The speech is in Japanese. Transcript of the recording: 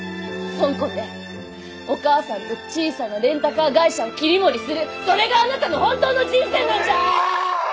香港でお母さんと小さなレンタカー会社を切り盛りするそれがあなたの本当の人生。